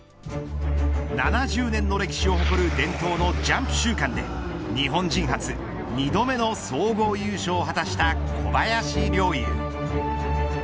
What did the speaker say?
７０年の歴史を誇る伝統のジャンプ週間で日本人初２度目の総合優勝を果たした小林陵侑。